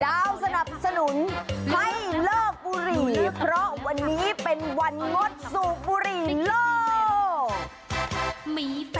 สนับสนุนให้เลิกบุหรี่เพราะวันนี้เป็นวันงดสูบบุหรี่โลก